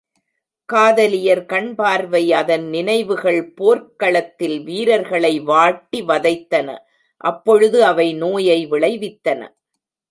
காதலியர் கண் பார்வை அதன் நினைவுகள் போர்க் களத்தில் வீரர்களை வாட்டி வதைத்தன அப்பொழுது அவை நோயை விளைவித்தன.